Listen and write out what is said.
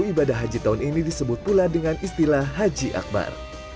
ibadah haji tahun ini disebut pula dengan istilah haji akbar